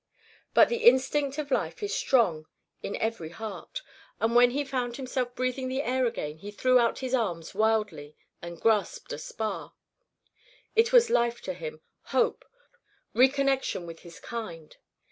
But the instinct of life is strong in every heart, and when he found himself breathing the air again he threw out his arms wildly and grasped a spar. It was life to him, hope, reconnection with his kind.